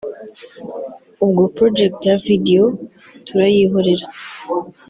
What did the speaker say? ubwo project ya video tirayihorera